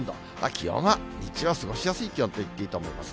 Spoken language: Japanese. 気温は、日中は過ごしやすい気温と言っていいと思います。